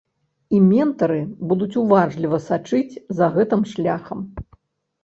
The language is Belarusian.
І ментары будуць уважліва сачыць за гэтым шляхам.